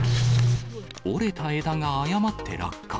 折れた枝が誤って落下。